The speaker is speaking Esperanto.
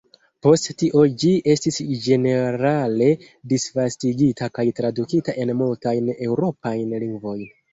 Post tio ĝi estis ĝenerale disvastigita kaj tradukita en multajn Eŭropajn lingvojn.